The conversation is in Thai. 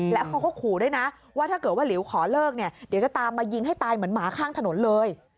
แล้วเขาก็ขู่ด้วยนะว่าถ้าเกิดว่าหลิวขอเลิกเนี่ยเดี๋ยวจะตามมายิงให้ตายเหมือนหมาข้างถนนเลย